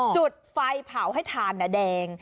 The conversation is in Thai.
จุดไฟเผาให้ทานแดง